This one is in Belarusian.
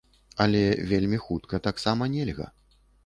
Але вельмі хутка таксама нельга.